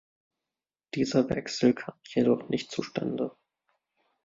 Dieser Wechsel kam jedoch nicht zustande.